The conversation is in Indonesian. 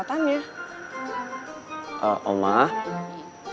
kayaknya oma minta dianterin ke rumahnya